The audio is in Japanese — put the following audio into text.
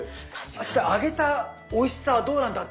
そして揚げたおいしさはどうなんだ